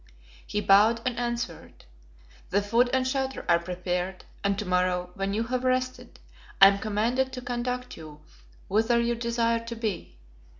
He bowed and answered: "The food and shelter are prepared and to morrow, when you have rested, I am commanded to conduct you whither you desire to be.